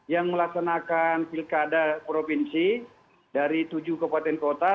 yang melaksanakan pilkada provinsi dari tujuh kabupaten kota